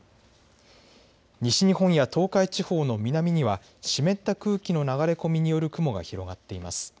西日本や東海地方の南には湿った空気の流れ込みによる雲が広がっています。